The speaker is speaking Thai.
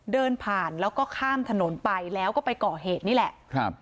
เดินผ่านแล้วก็ข้ามถนนไปแล้วก็ไปก่อเหตุนี่แหละครับ